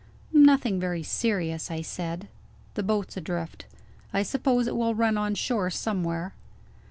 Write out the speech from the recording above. "Nothing very serious," I said. "The boat's adrift. I suppose it will run on shore somewhere."